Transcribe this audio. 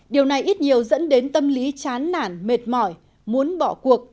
điều này ít nhiều dẫn đến tâm lý chán nản mệt mỏi muốn bỏ cuộc